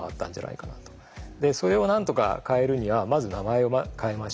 それをなんとか変えるにはまず名前を変えましょう。